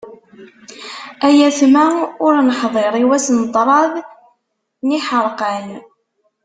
Ay aytma! Ur neḥḍir, i wass n ṭrad n yiḥerqan.